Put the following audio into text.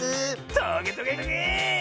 トゲトゲトゲ！